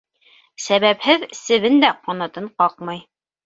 Сәбәпһеҙ себен дә ҡанатын ҡаҡмай.